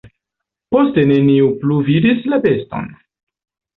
Poste neniu plu vidis la beston.